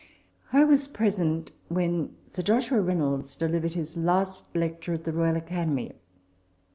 I was present when Sir Joshua Reynolds delivered his last lecture at the Royal Academy.